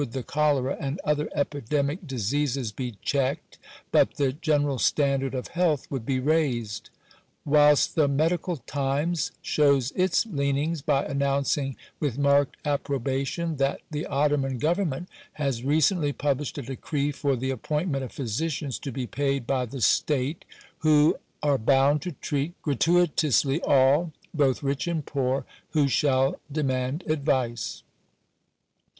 the cholera and other epidemic diseases be checked, but the ge neral standard of health would be raised." Whilst the Medical Times shows its leanings, by announcing, with marked appro bation, that " the Ottoman government has recently published a decree for the appointment of physicians to be paid by the state/' who " are bound to treat gratuitously all — both rich and poor — who shall demand advice."